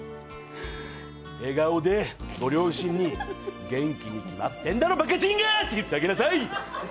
笑顔でご両親に元気に決まってんだろばかちんがー！って言ってあげなさい！